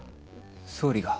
総理が？